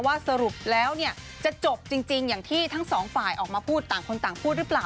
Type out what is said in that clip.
สรุปแล้วเนี่ยจะจบจริงอย่างที่ทั้งสองฝ่ายออกมาพูดต่างคนต่างพูดหรือเปล่า